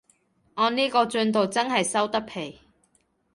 按呢個進度真係收得皮